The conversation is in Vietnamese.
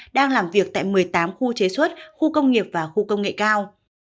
đang làm việc tại một mươi tám khu chế xuất khu công nghiệp và khu công nghệ cao